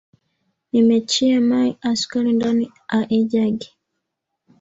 Nimechia mai a sukari ndani a ijagi